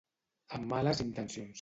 Amb males intencions.